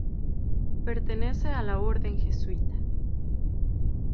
Pertenece a la Orden Jesuita.